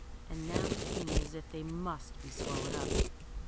And now it seemed as if they must be swallowed up.